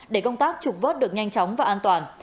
để công tác trục vớt được nhanh chóng và an toàn